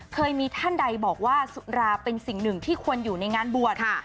เคยมีท่านใดบอกว่าสุราเป็นสิ่งหนึ่งที่ควรอยู่ในงานบวช